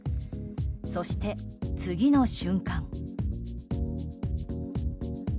そして、次の瞬間。